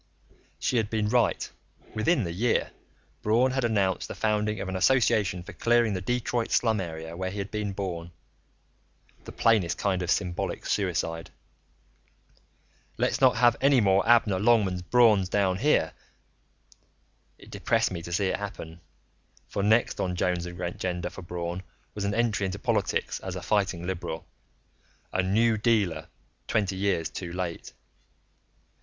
She had been right; within the year, Braun had announced the founding of an association for clearing the Detroit slum area where he had been born the plainest kind of symbolic suicide: Let's not have any more Abner Longmans Brauns born down here. It depressed me to see it happen, for next on Joan's agenda for Braun was an entry into politics as a fighting liberal a New Dealer twenty years too late.